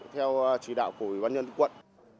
theo chỉ đạo của bản nhân quận